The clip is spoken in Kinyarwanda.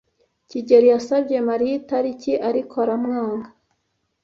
kigeli yasabye Mariya itariki, ariko aramwanga.